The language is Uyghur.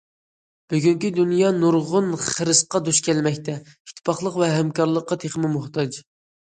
بۈگۈنكى دۇنيا نۇرغۇن خىرىسقا دۇچ كەلمەكتە، ئىتتىپاقلىق ۋە ھەمكارلىققا تېخىمۇ موھتاج.